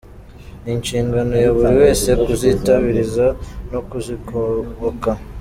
Ni inshingano ya buri wese kuzitabariza no kuzigoboka.